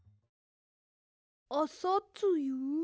あさつゆ？